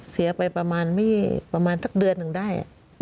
เสียไปประมาณสักเดือนหนึ่งได้